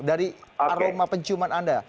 dari aroma penciuman anda